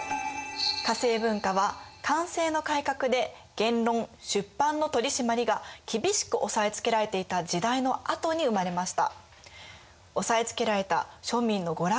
化政文化は寛政の改革で言論・出版の取り締まりがきびしく押さえつけられていた時代のあとに生まれました。